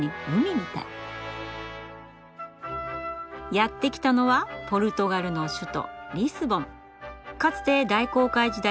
やって来たのはポルトガルの首都かつて大航海時代